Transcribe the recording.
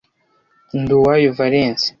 Nduwayo Valens